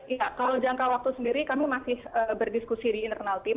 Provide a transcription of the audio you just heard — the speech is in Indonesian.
ya kalau jangka waktu sendiri kami masih berdiskusi di internal tim